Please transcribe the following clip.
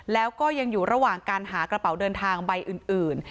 แล้วก็ยังอยู่ระหว่างการหากระเป๋าเดินทางใบอื่น